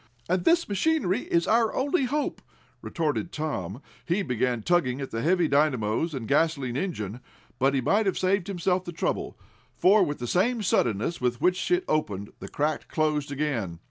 "And this machinery is our only hope!" retorted Tom. He began tugging at the heavy dynamos and gasolene engine, but he might have saved himself the trouble, for with the same suddenness with which it opened, the crack closed again.